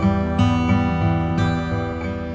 terima kasih ya mas